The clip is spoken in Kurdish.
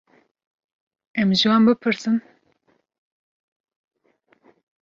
Em ji wan bipirsin.